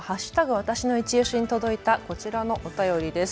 わたしのいちオシに届いたこちらのお便りです。